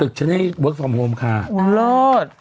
ตึกชนิดเวิร์คฟอร์มโฮมค่ะอุ้ยเลิศ